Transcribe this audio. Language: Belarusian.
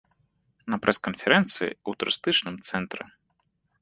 На прэс-канферэнцыі ў турыстычным цэнтры.